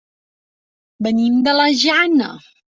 Venim de la Jana.